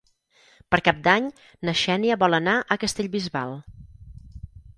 Per Cap d'Any na Xènia vol anar a Castellbisbal.